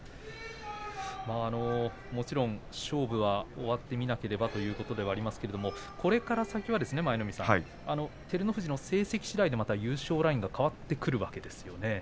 もちろん勝負は終わってみなければというところでありますけれどもこれから先は照ノ富士の成績しだいでまた優勝ラインが変わってくるわけですよね。